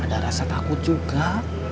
ada rasa takut juga